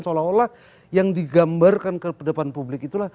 seolah olah yang digambarkan ke depan publik itulah